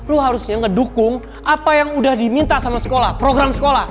lu harusnya ngedukung apa yang udah diminta sama sekolah program sekolah